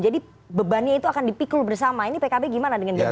jadi bebannya itu akan dipikul bersama ini pkb gimana dengan ganjalan tadi